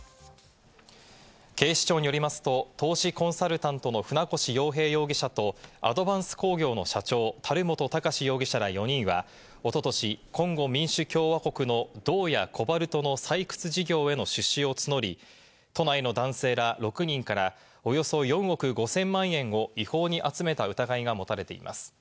警視庁によりますと、投資コンサルタントの船越洋平容疑者とアドヴァンス工業の社長・樽本貴司容疑者ら４人はおととし、コンゴ民主共和国の銅やコバルトの採掘事業への出資を募り、都内の男性ら６人からおよそ４億５０００万円を違法に集めた疑いが持たれています。